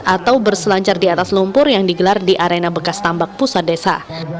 atau berselancar di atas lumpur yang digelar di arena bekas tambak pusat desa